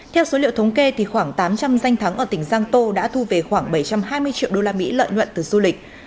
theo số liệu thống kê khoảng tám trăm linh danh thắng ở tỉnh giang tô đã thu về khoảng bảy trăm hai mươi triệu đô la mỹ lợi nhuận từ du lịch